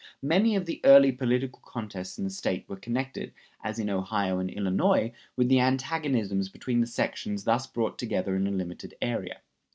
Many of the early political contests in the State were connected, as in Ohio and Illinois, with the antagonisms between the sections thus brought together in a limited area.